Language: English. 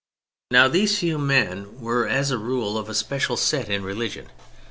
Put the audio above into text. Now these few men were as a rule of a special set in religion.